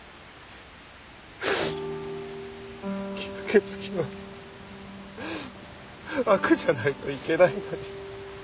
吸血鬼は悪じゃないといけないのに。